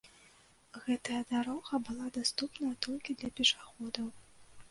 Гэтая дарога была даступная толькі для пешаходаў.